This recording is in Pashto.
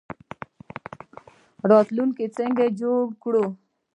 راتلونکی څنګه جوړ کړو؟